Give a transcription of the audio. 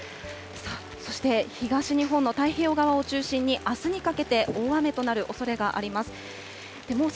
さあそして、東日本の太平洋側を中心に、あすにかけて大雨となるおそれがあります。